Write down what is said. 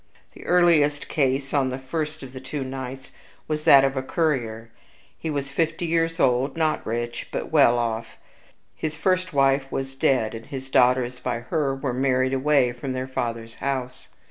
The earliest case on the first of the two nights was that of a currier. He was fifty years old; not rich, but well off. His first wife was dead, and his daughters by her were married away from their father's house.